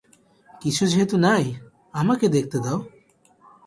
কিছু যেহেতু নাই, আমাকে দেখতে দাও।